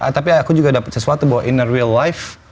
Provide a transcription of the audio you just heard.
tapi aku juga dapat sesuatu bahwa in a real life